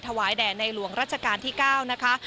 ถวายแด่ในหลวงราชการที่๙นะคะ